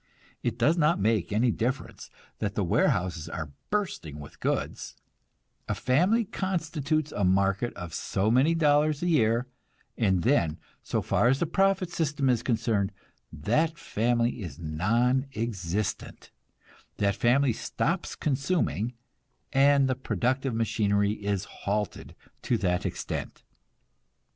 It does not make any difference that the warehouses are bursting with goods; a family constitutes a market of so many dollars a year, and then, so far as the profit system is concerned, that family is non existent; that family stops consuming, and the productive machinery is halted to that extent.